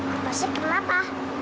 aku pasti kenapa